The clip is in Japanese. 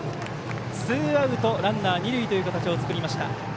ツーアウトランナー、二塁という形を作りました